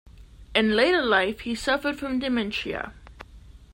In later life he suffered from dementia.